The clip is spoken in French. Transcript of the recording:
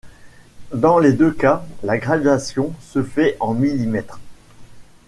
Dans les deux cas, la graduation se fait en millimètre.